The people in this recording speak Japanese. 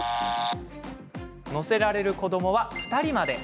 乗せられる子どもは２人まで。